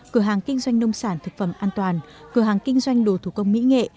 cửa hàng kinh doanh nông sản thực phẩm an toàn cửa hàng kinh doanh đồ thủ công mỹ nghệ